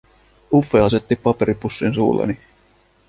Uffe asetti paperipussin suulleni.